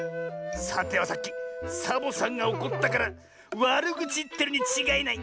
さてはさっきサボさんがおこったからわるぐちいってるにちがいない！